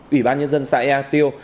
ủy ban nhân dân xã ea tiêu